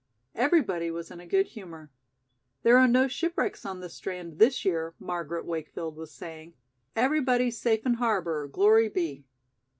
Everybody was in a good humor. "There are no shipwrecks on the strand this year," Margaret Wakefield was saying. "Everybody's safe in harbor, glory be."